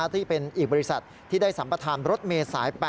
ที่เป็นอีกบริษัทที่ได้สัมปทานรถเมย์สาย๘